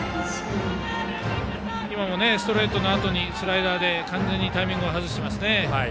今もストレートのあとにスライダーで完全にタイミングを外しています。